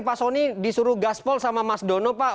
pak sony disuruh gas pol sama mas dono pak